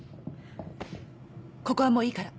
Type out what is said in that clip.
ここはもういいから。